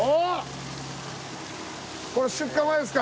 これ出荷前ですか？